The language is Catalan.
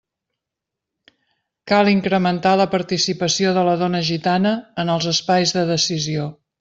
Cal incrementar la participació de la dona gitana en els espais de decisió.